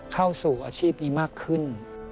เข้าสู่อาชีพนี้มากขึ้น